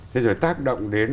thế rồi tác động đến